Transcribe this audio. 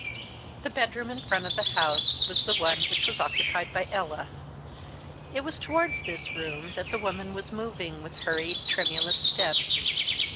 The bedroom in front of the house was the one which was occupied by Ella, It was towards this room that the woman was moving with hurried, tremulous steps.